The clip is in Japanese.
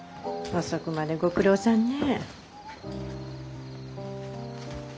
遅くまでご苦労さんね。